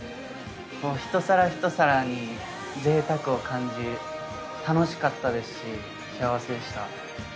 一皿一皿にぜいたくを感じ楽しかったですし幸せでした。